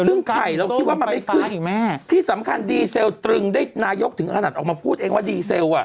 ซึ่งไข่เราคิดว่ามันไม่ขึ้นที่สำคัญดีเซลตรึงได้นายกถึงขนาดออกมาพูดเองว่าดีเซลอ่ะ